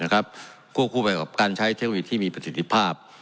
ควบคู่ไปกับการใช้เทคโนโลยีที่มีประสิทธิภาพ